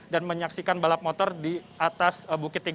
dan menyaksikan balap motor di atas bukit tiga ratus enam puluh